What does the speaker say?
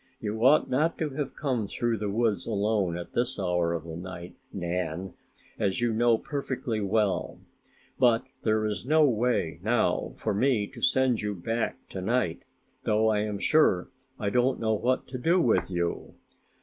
"You ought not to have come through the woods alone at this hour of the night, Nan, as you know perfectly well. But there is no way now for me to send you back to night, though I am sure I don't know what to do with you.